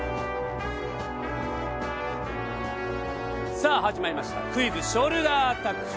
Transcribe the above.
さあ始まりました「クイズショルダーアタック」。